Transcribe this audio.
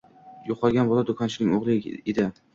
Yo‘qolgan bola do‘konchining o‘g‘li edi.